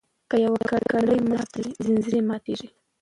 که یوه کړۍ ماته شي ځنځیر ماتیږي.